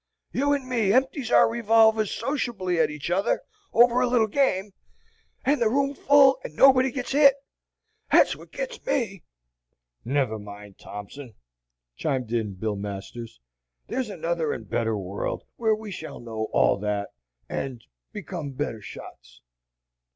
You and me empties our revolvers sociably at each other over a little game, and the room full and nobody gets hit! That's what gets me." "Never mind, Thompson," chimed in Bill Masters, "there's another and a better world where we shall know all that and become better shots.